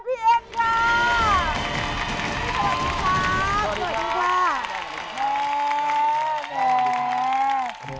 สวัสดีครับ